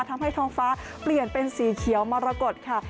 ทำให้ท้องฟ้าเปลี่ยนเป็นสีเขียวมรกฏค่ะ